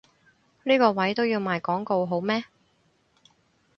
呢個位都要賣廣告好咩？